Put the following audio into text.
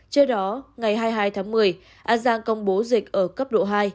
trước đó ngày hai mươi hai tháng một mươi an giang công bố dịch ở cấp độ hai